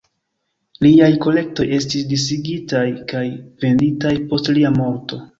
Liaj kolektoj estis disigitaj kaj venditaj post lia morto.